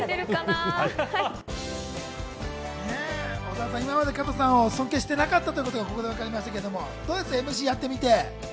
小澤さん、今まで加藤さんを尊敬していなかったってことがここでわかりましたけど、どうですか？